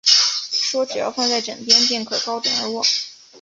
说只要放在枕边，便可高枕而卧